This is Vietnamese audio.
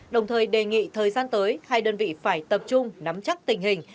đồng thời đề nghị thời gian tới hai đơn vị phải tập trung nắm chắc tình hình